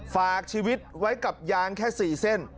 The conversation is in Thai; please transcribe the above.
ฝากชีวิตไว้กับยางแค่๔เส้น